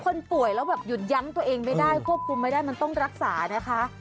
คนป่วยแล้วแบบหยุดยั้งตัวเองไม่ได้ควบคุมไม่ได้มันต้องรักษานะคะ